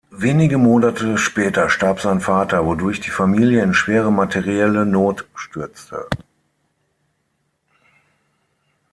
Wenige Monate später starb sein Vater, wodurch die Familie in schwere materielle Not stürzte.